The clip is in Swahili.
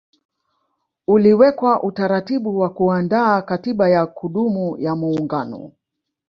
Uliwekwa utaratibu wa kuandaa katiba ya kudumu ya muungano